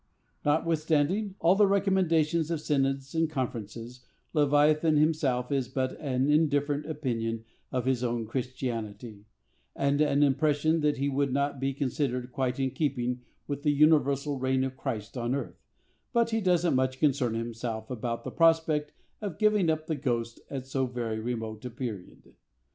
Notwithstanding all the recommendations of synods and conferences, Leviathan himself has but an indifferent opinion of his own Christianity, and an impression that he would not be considered quite in keeping with the universal reign of Christ on earth; but he doesn't much concern himself about the prospect of giving up the ghost at so very remote a period.